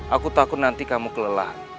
aku takut nanti kamu kelelahan